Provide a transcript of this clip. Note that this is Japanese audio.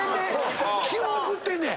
気を送ってんねん。